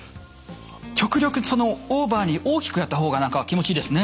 極力オーバーに大きくやった方が何か気持ちいいですね。